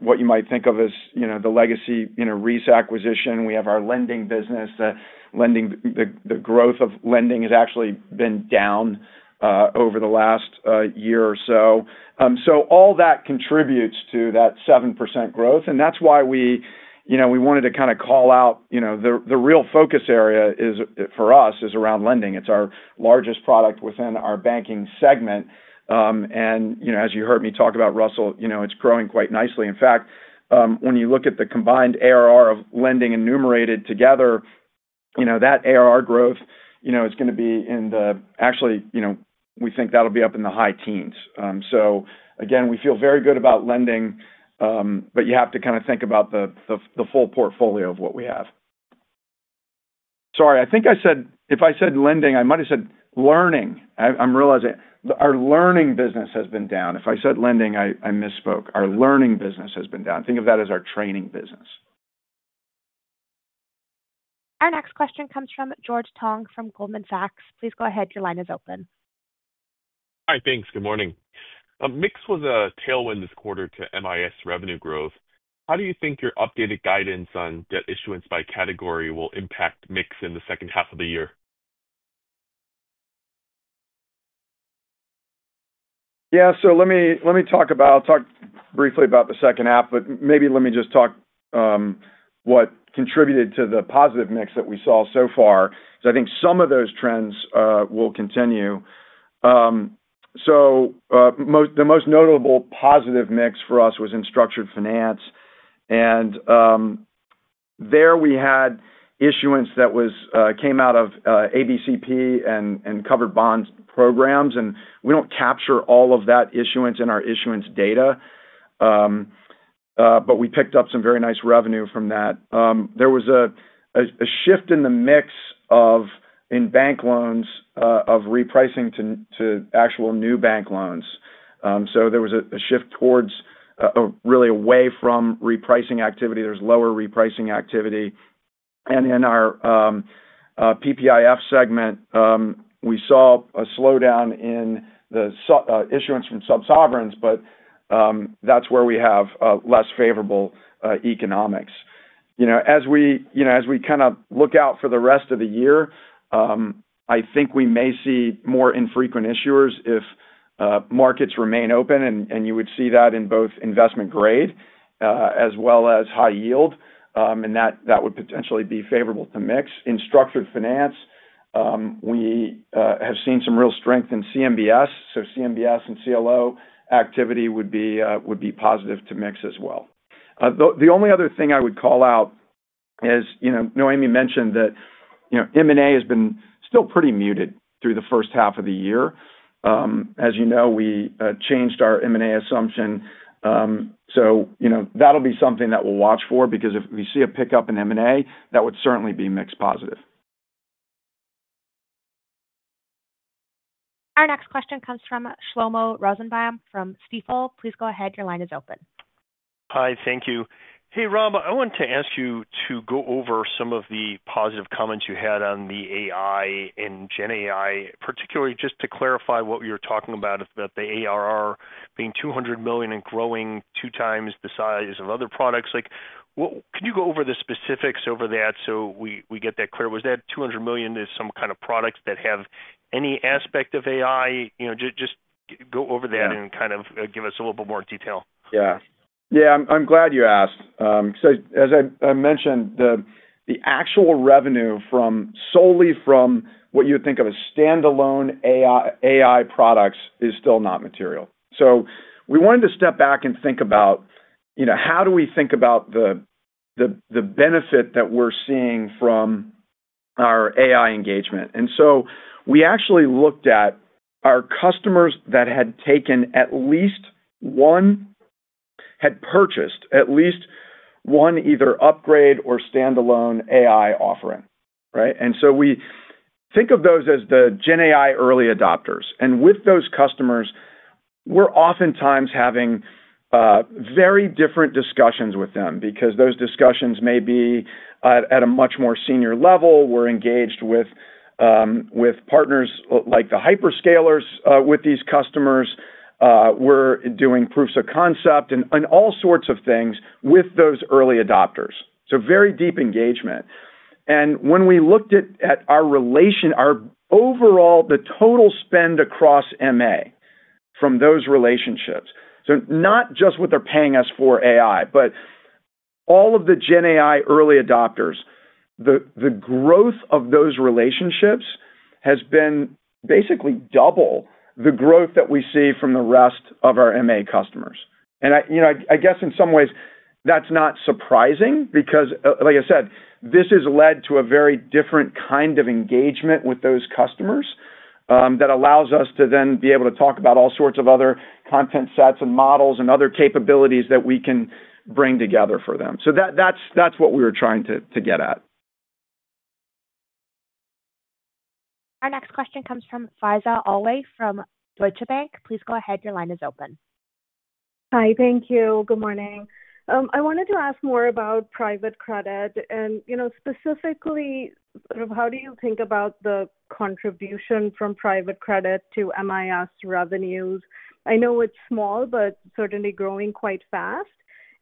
what you might think of as the legacy Reis acquisition. We have our lending business. The growth of lending has actually been down over the last year or so. All that contributes to that 7% growth. That is why we wanted to kind of call out the real focus area for us is around lending. It's our largest product within our banking segment. As you heard me talk about, Russell, it's growing quite nicely. In fact, when you look at the combined ARR of lending and Numerated together, that ARR growth is going to be in the, actually, we think that'll be up in the high teens. Again, we feel very good about lending. But you have to kind of think about the full portfolio of what we have. Sorry. I think I said, if I said lending, I might have said learning. I'm realizing our learning business has been down. If I said lending, I misspoke. Our learning business has been down. Think of that as our training business. Our next question comes from George Tong from Goldman Sachs. Please go ahead. Your line is open. Hi. Thanks. Good morning. Mix was a tailwind this quarter to MIS revenue growth. How do you think your updated guidance on debt issuance by category will impact mix in the second half of the year? Yeah. Let me talk briefly about the second half, but maybe let me just talk about what contributed to the positive mix that we saw so far. I think some of those trends will continue. The most notable positive mix for us was in structured finance. There we had issuance that came out of ABCP and covered bond programs. We do not capture all of that issuance in our issuance data, but we picked up some very nice revenue from that. There was a shift in the mix of bank loans of repricing to actual new bank loans. There was a shift really away from repricing activity. There is lower repricing activity. In our PPIF segment, we saw a slowdown in the issuance from sub-sovereigns, but that is where we have less favorable economics. As we kind of look out for the rest of the year, I think we may see more infrequent issuers if markets remain open. You would see that in both investment grade as well as high-yield. That would potentially be favorable to mix. In structured finance, we have seen some real strength in commercial mortgage-backed security. Commercial mortgage-backed security and collateralized loan obligation activity would be positive to mix as well. The only other thing I would call out is Noémie mentioned that M&A has been still pretty muted through the first half of the year. As you know, we changed our M&A assumption. That will be something that we will watch for, because if we see a pickup in M&A, that would certainly be mix positive. Our next question comes from Shlomo Rosenbaum from Stifel. Please go ahead. Your line is open. Hi. Thank you. Hey, Rob, I wanted to ask you to go over some of the positive comments you had on the AI and GenAI, particularly just to clarify what you are talking about about the ARR being $200 million and growing two times the size of other products. Could you go over the specifics over that so we get that clear? Was that $200 million in some kind of products that have any aspect of AI? Just go over that and kind of give us a little bit more detail. Yeah. Yeah. I am glad you asked. As I mentioned, the actual revenue solely from what you would think of as standalone AI products is still not material. We wanted to step back and think about how do we think about the benefit that we are seeing from our AI engagement. We actually looked at our customers that had taken at least one, had purchased at least one either upgrade or standalone AI offering, right? We think of those as the GenAI early adopters. With those customers, we are oftentimes having very different discussions with them because those discussions may be at a much more senior level. We are engaged with partners like the hyperscalers with these customers. We are doing proofs of concept and all sorts of things with those early adopters, so very deep engagement. When we looked at our relation, our overall, the total spend across MA from those relationships, so not just what they are paying us for AI, but all of the GenAI early adopters, the growth of those relationships has been basically double the growth that we see from the rest of our MA customers. I guess in some ways, that is not surprising because, like I said, this has led to a very different kind of engagement with those customers that allows us to then be able to talk about all sorts of other content sets and models and other capabilities that we can bring together for them. That is what we were trying to get at. Our next question comes from Faiza Alwy from Deutsche Bank. Please go ahead. Your line is open. Hi. Thank you. Good morning. I wanted to ask more about private credit and specifically how do you think about the contribution from private credit to MIS revenues? I know it is small, but certainly growing quite fast.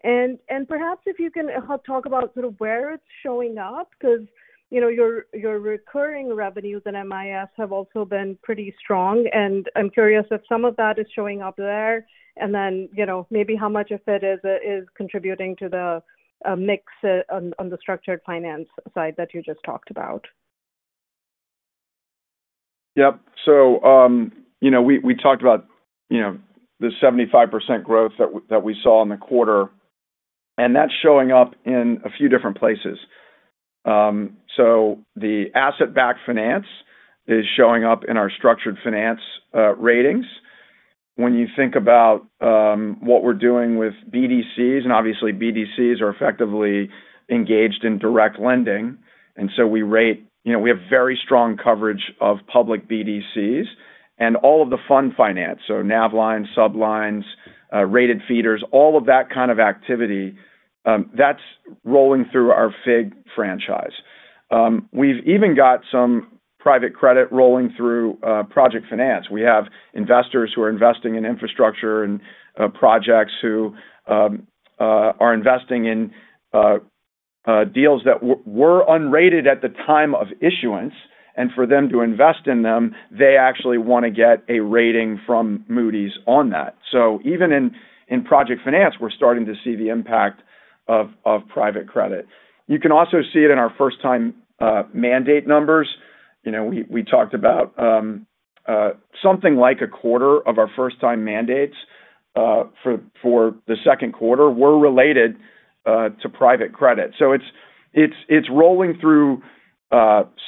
Perhaps if you can talk about sort of where it is showing up because your recurring revenues in MIS have also been pretty strong. I'm curious if some of that is showing up there and then maybe how much of it is contributing to the mix on the structured finance side that you just talked about. Yep. We talked about the 75% growth that we saw in the quarter, and that's showing up in a few different places. The asset-backed finance is showing up in our structured finance ratings. When you think about what we're doing with BDCs, and obviously, BDCs are effectively engaged in direct lending. We rate, we have very strong coverage of public BDCs. All of the fund finance, so nav lines, sub lines, rated feeders, all of that kind of activity, that's rolling through our FIG franchise. We've even got some private credit rolling through project finance. We have investors who are investing in infrastructure and projects who are investing in deals that were unrated at the time of issuance. For them to invest in them, they actually want to get a rating from Moody's on that. Even in project finance, we're starting to see the impact of private credit. You can also see it in our first-time mandate numbers. We talked about something like a quarter of our first-time mandates for the second quarter were related to private credit. It's rolling through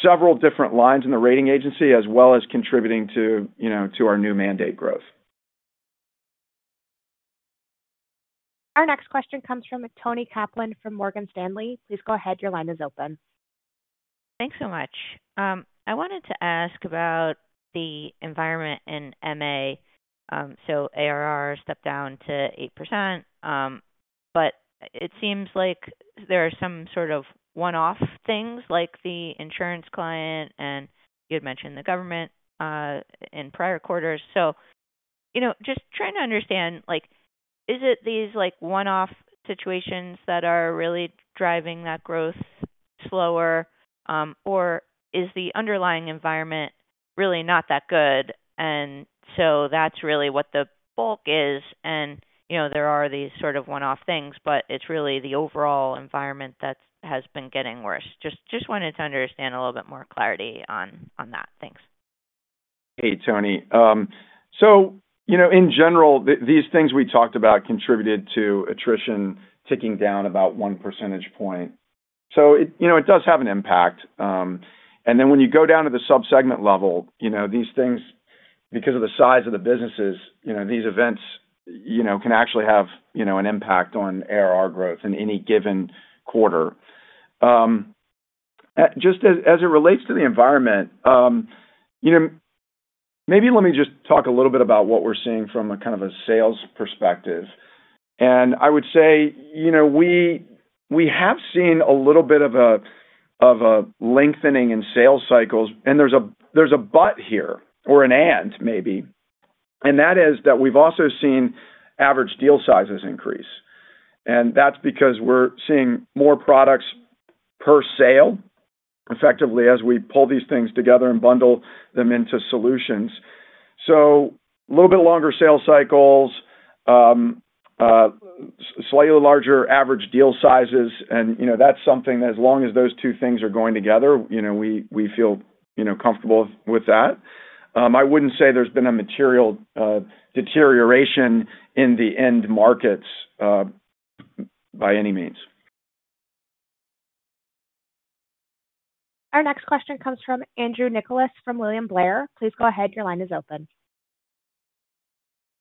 several different lines in the rating agency as well as contributing to our new mandate growth. Our next question comes from Toni Kaplan from Morgan Stanley. Please go ahead. Your line is open. Thanks so much. I wanted to ask about the environment in MA. ARR stepped down to 8%. It seems like there are some sort of one-off things like the insurance client, and you had mentioned the government in prior quarters. Just trying to understand, is it these one-off situations that are really driving that growth slower, or is the underlying environment really not that good? That's really what the bulk is. There are these sort of one-off things, but it's really the overall environment that has been getting worse. Just wanted to understand a little bit more clarity on that. Thanks. Hey, Toni. In general, these things we talked about contributed to attrition ticking down about one percentage point. It does have an impact. When you go down to the sub-segment level, these things, because of the size of the businesses, these events can actually have an impact on ARR growth in any given quarter. As it relates to the environment, maybe let me just talk a little bit about what we're seeing from a kind of a sales perspective. I would say we have seen a little bit of a lengthening in sales cycles. There's a but here or an and maybe, and that is that we've also seen average deal sizes increase. That is because we are seeing more products per sale, effectively, as we pull these things together and bundle them into solutions. A little bit longer sales cycles. Slightly larger average deal sizes. That is something that as long as those two things are going together, we feel comfortable with that. I would not say there has been a material deterioration in the end markets by any means. Our next question comes from Andrew Nicholas from William Blair. Please go ahead. Your line is open.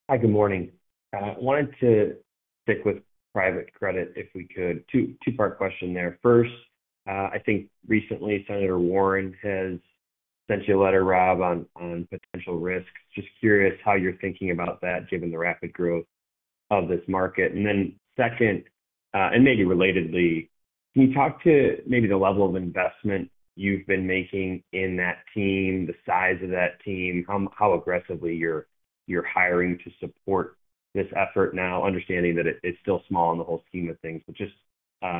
Hi. Good morning. I wanted to stick with private credit if we could. Two-part question there. First, I think recently, Senator Warren has sent you a letter, Rob, on potential risks. Just curious how you are thinking about that given the rapid growth of this market. And then second, and maybe relatedly, can you talk to maybe the level of investment you have been making in that team, the size of that team, how aggressively you are hiring to support this effort now, understanding that it is still small in the whole scheme of things, but just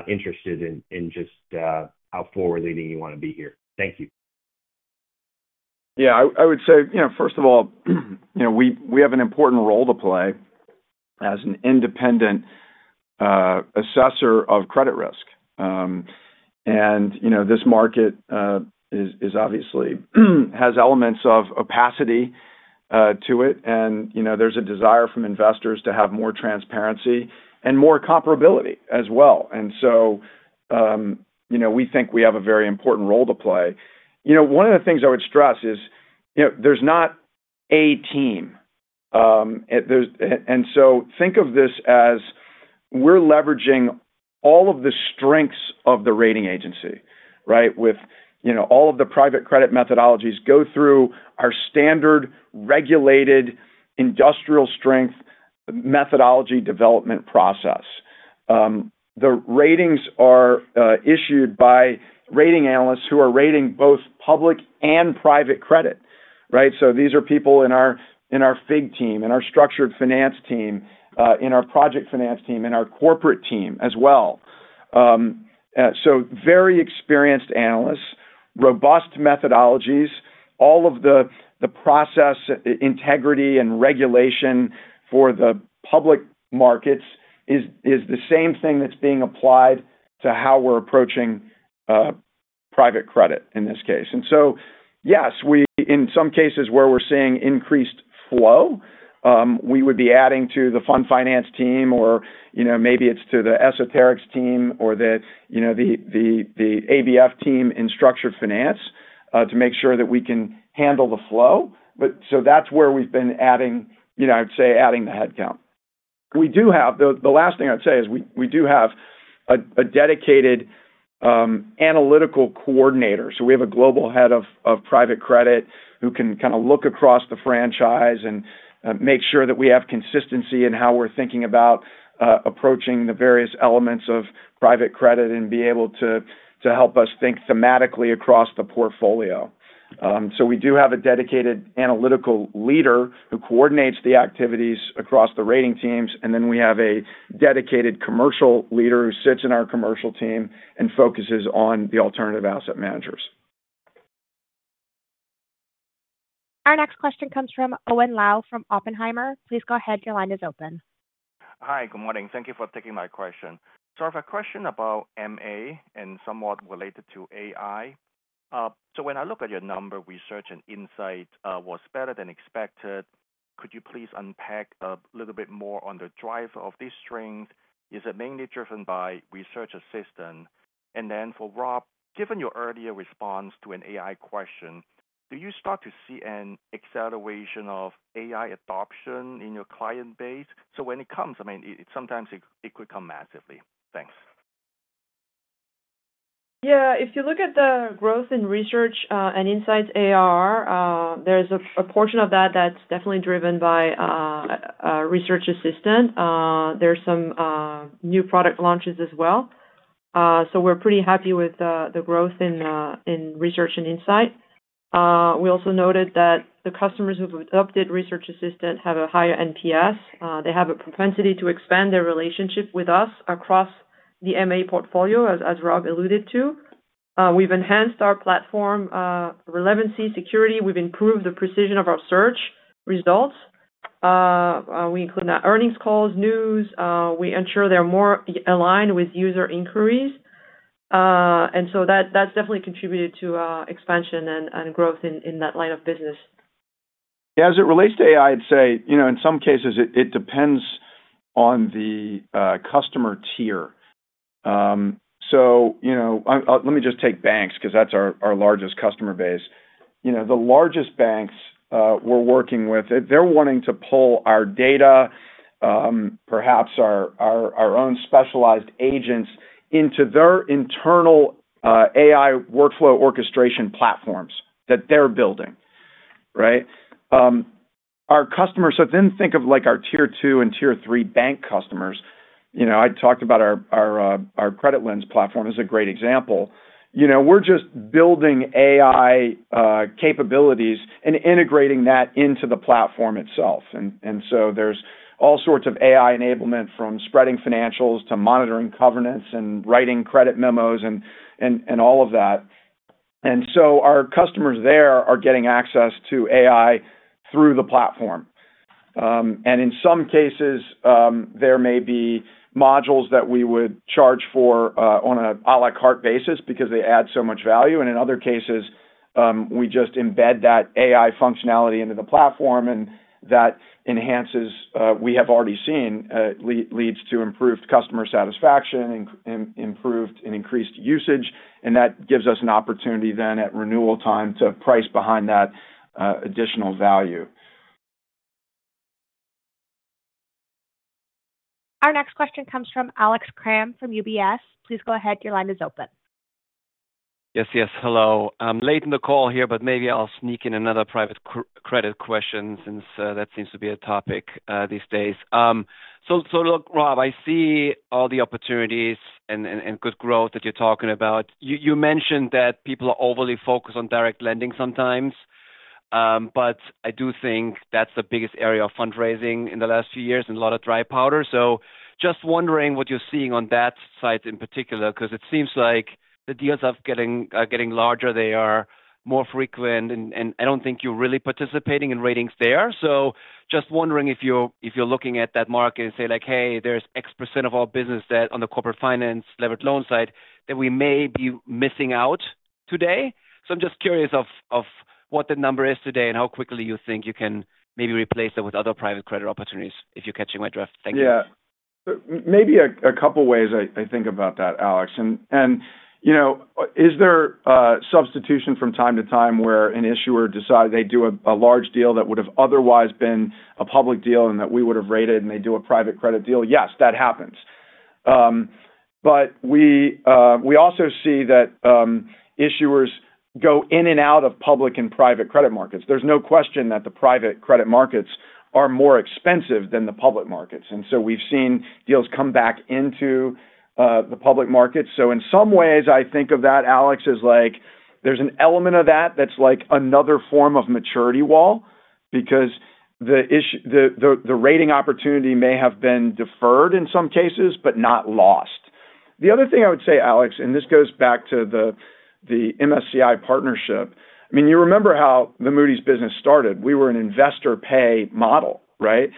interested in just how forward-leaning you want to be here. Thank you. Yeah. I would say, first of all, we have an important role to play as an independent assessor of credit risk. This market obviously has elements of opacity to it, and there is a desire from investors to have more transparency and more comparability as well. We think we have a very important role to play. One of the things I would stress is there is not a team. Think of this as we are leveraging all of the strengths of the rating agency, right, with all of the private credit methodologies going through our standard regulated, industrial strength methodology development process. The ratings are issued by rating analysts who are rating both public and private credit, right? These are people in our FIG team, in our structured finance team, in our project finance team, in our corporate team as well. Very experienced analysts, robust methodologies, all of the process integrity and regulation for the public markets is the same thing that is being applied to how we are approaching private credit in this case. Yes, in some cases where we are seeing increased flow, we would be adding to the fund finance team, or maybe it is to the esoterics team or the ABF team in structured finance to make sure that we can handle the flow. That is where we have been adding, I would say, adding the headcount. The last thing I would say is we do have a dedicated analytical coordinator. We have a global head of private credit who can kind of look across the franchise and make sure that we have consistency in how we are thinking about approaching the various elements of private credit and be able to help us think thematically across the portfolio. We do have a dedicated analytical leader who coordinates the activities across the rating teams. And then we have a dedicated commercial leader who sits in our commercial team and focuses on the alternative asset managers. Our next question comes from Owen Lau from Oppenheimer. Please go ahead. Your line is open. Hi. Good morning. Thank you for taking my question. I have a question about MA and somewhat related to AI. When I look at your number, research and insight was better than expected. Could you please unpack a little bit more on the drive of this strength? Is it mainly driven by Research Assistant? And then for Rob, given your earlier response to an AI question, do you start to see an acceleration of AI adoption in your client base? When it comes, I mean, sometimes it could come massively. Thanks. Yeah. If you look at the growth in research and insights ARR, there is a portion of that that is definitely driven by Research Assistant. There are some new product launches as well. We are pretty happy with the growth in research and insight. We also noted that the customers who have adopted Research Assistant have a higher NPS. They have a propensity to expand their relationship with us across the MA portfolio, as Rob alluded to. We have enhanced our platform. Relevancy, security. We have improved the precision of our search results. We include earnings calls, news. We ensure they are more aligned with user inquiries. That has definitely contributed to expansion and growth in that line of business. Yeah. As it relates to AI, I would say in some cases, it depends on the customer tier. Let me just take banks because that is our largest customer base. The largest banks we are working with, they are wanting to pull our data, perhaps our own specialized agents, into their internal AI workflow orchestration platforms that they are building, right? Think of our tier two and tier three bank customers. I talked about our Credit Lens platform as a great example. We are just building AI capabilities and integrating that into the platform itself. There is all sorts of AI enablement from spreading financials to monitoring covenants and writing credit memos and all of that. Our customers there are getting access to AI through the platform. In some cases, there may be modules that we would charge for on an à la carte basis because they add so much value. In other cases, we just embed that AI functionality into the platform. That enhances, we have already seen, leads to improved customer satisfaction and improved and increased usage. That gives us an opportunity then at renewal time to price behind that additional value. Our next question comes from Alex Kramm from UBS. Please go ahead. Your line is open. Yes, yes. Hello. I am late in the call here, but maybe I will sneak in another private credit question since that seems to be a topic these days. Look, Rob, I see all the opportunities and good growth that you're talking about. You mentioned that people are overly focused on direct lending sometimes. I do think that's the biggest area of fundraising in the last few years and a lot of dry powder. I'm just wondering what you're seeing on that side in particular because it seems like the deals are getting larger. They are more frequent. I don't think you're really participating in ratings there. I'm just wondering if you're looking at that market and say, "Hey, there's X% of our business on the corporate finance levered loan side that we may be missing out today." I'm just curious what the number is today and how quickly you think you can maybe replace it with other private credit opportunities if you're catching my drift. Thank you. Yeah. Maybe a couple of ways I think about that, Alex. Is there substitution from time to time where an issuer decided they do a large deal that would have otherwise been a public deal and that we would have rated and they do a private credit deal? Yes, that happens. We also see that issuers go in and out of public and private credit markets. There's no question that the private credit markets are more expensive than the public markets. We've seen deals come back into the public markets. In some ways, I think of that, Alex, as there's an element of that that's like another form of maturity wall because the rating opportunity may have been deferred in some cases, but not lost. The other thing I would say, Alex, and this goes back to the MSCI partnership. You remember how the Moody's business started. We were an investor pay model, right?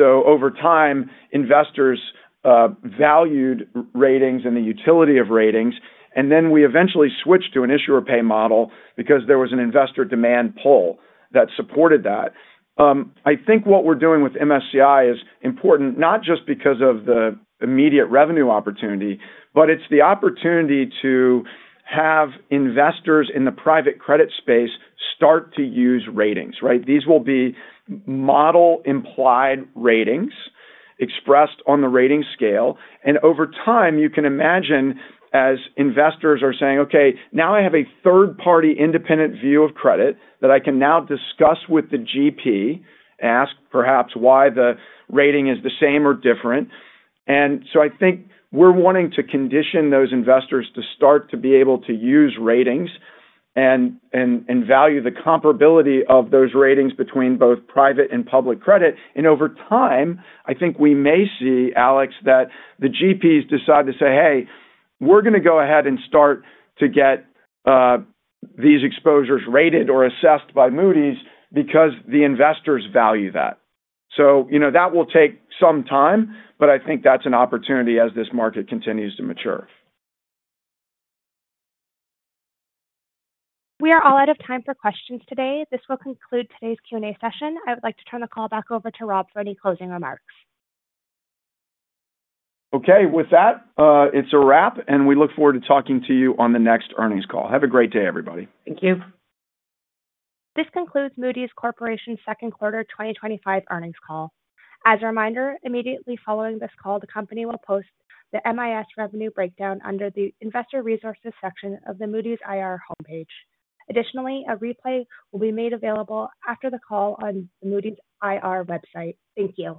Over time, investors valued ratings and the utility of ratings. Then we eventually switched to an issuer pay model because there was an investor demand pull that supported that. I think what we're doing with MSCI is important not just because of the immediate revenue opportunity, but it's the opportunity to have investors in the private credit space start to use ratings, right? These will be model-implied ratings expressed on the rating scale. Over time, you can imagine as investors are saying, "Okay, now I have a third-party independent view of credit that I can now discuss with the GP, ask perhaps why the rating is the same or different." I think we're wanting to condition those investors to start to be able to use ratings and value the comparability of those ratings between both private and public credit. Over time, I think we may see, Alex, that the GPs decide to say, "Hey, we're going to go ahead and start to get. These exposures rated or assessed by Moody's because the investors value that. That will take some time, but I think that's an opportunity as this market continues to mature. We are all out of time for questions today. This will conclude today's Q&A session. I would like to turn the call back over to Rob for any closing remarks. Okay with that, it's a wrap, and we look forward to talking to you on the next earnings call. Have a great day, everybody. Thank you. This concludes Moody's Corporation's second-quarter 2025 earnings call. As a reminder, immediately following this call, the company will post the MIS revenue breakdown under the investor resources section of the Moody's IR homepage. Additionally, a replay will be made available after the call on the Moody's IR website. Thank you.